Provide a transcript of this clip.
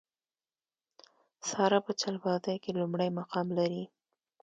ساره په چلبازۍ کې لومړی مقام لري.